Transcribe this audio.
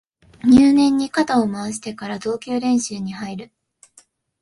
入念に肩を回してから投球練習に入る